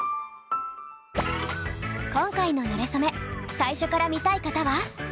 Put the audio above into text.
今回の「なれそめ」最初から見たい方は！